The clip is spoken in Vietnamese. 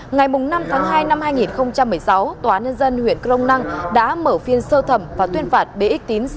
ngày năm tháng hai năm hai nghìn một mươi sáu tòa nhân dân huyện crong năng đã mở phiên sơ thẩm và tuyên phạt bx tín